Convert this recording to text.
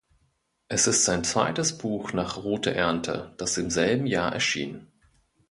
Es ist sein zweites Buch nach Rote Ernte, das im selben Jahr erschien.